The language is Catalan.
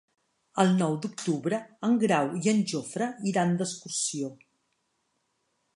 El nou d'octubre en Grau i en Jofre iran d'excursió.